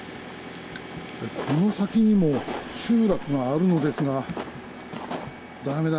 この先にも集落があるのですがだめだ。